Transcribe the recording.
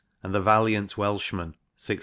and The Valiant Welshman (1615).